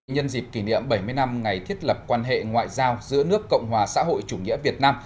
nhân dịp kỷ niệm bảy mươi năm ngày thiết lập quan hệ ngoại giao giữa nước cộng hòa xã hội chủ nghĩa việt nam